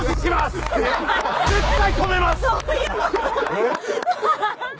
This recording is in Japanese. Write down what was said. えっ？